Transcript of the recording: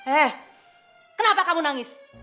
eh kenapa kamu nangis